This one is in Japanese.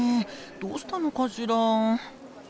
どうしたのかしら。